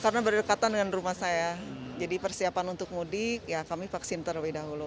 karena berdekatan dengan rumah saya jadi persiapan untuk mudik kami vaksin terlebih dahulu